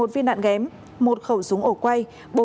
một mươi một viên đạn ghém một khẩu súng ổ quay